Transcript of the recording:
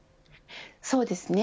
そうですね。